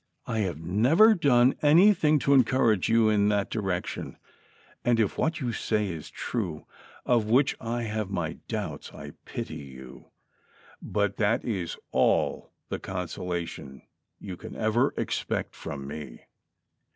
"I have never done anything to encourage you in that direction ; and if what you say is true, of which I have my doubts, I pity you ; but that is all the consolation you can ever expect from me.